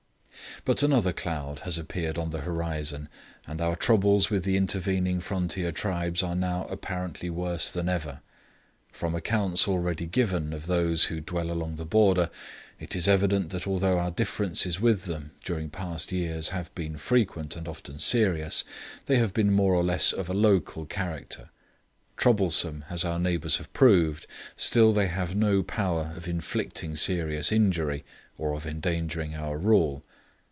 But another cloud has appeared on the horizon, and our troubles with the intervening frontier tribes are now apparently worse than ever. From accounts already given of those who dwell along the border, it is evident that although our differences with them, during past years, have been frequent and often serious, they have been more or less of a local character. Troublesome as our neighbours have proved, still they have no power of inflicting serious injury, or of endangering our rule.